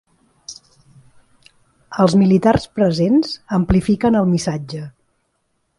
Els militars presents amplifiquen el missatge.